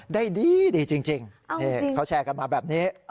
ได้ดีจริงนี่เขาแชร์กันมาแบบนี้